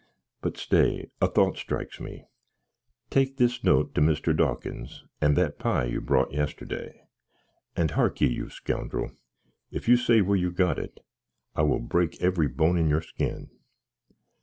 "But stay a thought strikes me take this note to Mr. Dawkins, and that pye you brought yesterday; and hearkye, you scoundrel, if you say where you got it I will break every bone in your skin!"